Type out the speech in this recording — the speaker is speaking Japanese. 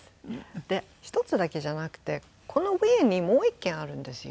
で１つだけじゃなくてこの上にもう１軒あるんですよ。